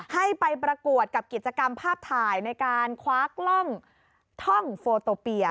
ให้ไปประกวดกับกิจกรรมภาพถ่ายในการคว้ากล้องท่องโฟโตเปีย